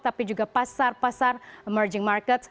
tapi juga pasar pasar emerging markets